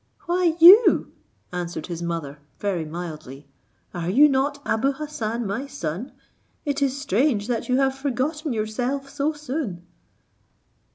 "Why you," answered his mother very mildly; "are not you Abou Hassan my son? It is strange that you have forgotten yourself so soon."